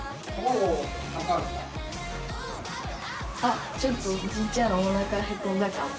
あっちょっとじいちゃんのおなかへこんだかも。